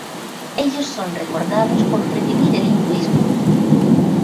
Ellos son recordados por revivir el hinduismo.